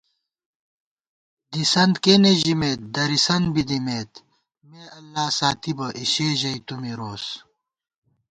دِسنت کېنےژِمېت، درِسَنت بی دِمېت * “مےاللہ ساتِبہ” اِشےژَئی تُو مِروس